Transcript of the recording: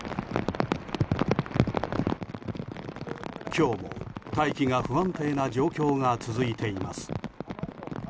今日も大気が不安定な状況が続いています。